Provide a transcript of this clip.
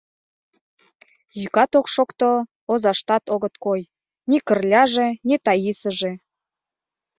Йӱкат ок шокто, озаштат огыт кой: ни Кырляже, ни Таисыже.